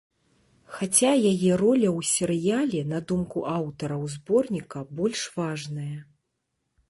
Хаця яе роля ў серыяле, на думку аўтараў зборніка, больш важная.